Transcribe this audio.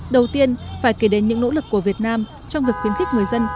đầu tiên phải kể đến những nỗ lực của việt nam trong việc khuyến khích người dân